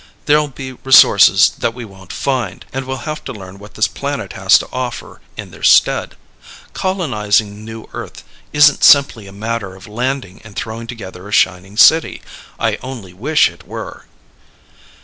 There'll be resources that we won't find, and we'll have to learn what this planet has to offer in their stead. Colonizing New Earth isn't simply a matter of landing and throwing together a shining city. I only wish it were.